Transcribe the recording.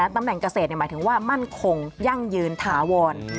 ตำแหน่งเกษตรหมายถึงว่ามั่นคงยั่งยืนถาวร